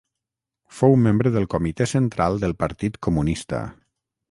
Fou membre del Comitè Central del Partit Comunista.